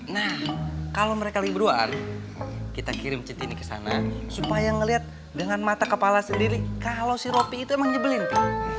nah kalau mereka lagi berduaan kita kirim centini ke sana supaya ngelihat dengan mata kepala sendiri kalau si ropi itu emang nyebelin p